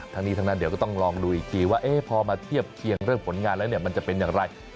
ทั้งนี้ทั้งนั้นเดี๋ยวก็ต้องลองดูอีกทีว่าพอมาเทียบเคียงเรื่องผลงานแล้วมันจะเป็นอย่างไร